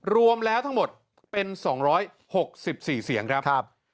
รวมแล้วทั้งหมดเป็น๒๖๔เสียงครับ